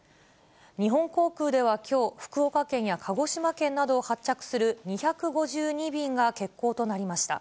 日本航空では、きょう、福岡県や鹿児島県などを発着する２５２便が欠航となりました。